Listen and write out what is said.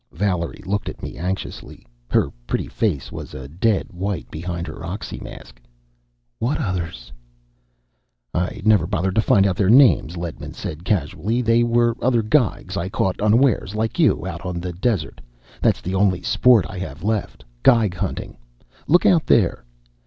Valerie looked at me anxiously. Her pretty face was a dead white behind her oxymask. "What others?" "I never bothered to find out their names," Ledman said casually. "They were other Geigs I caught unawares, like you, out on the desert. That's the only sport I have left Geig hunting. Look out there."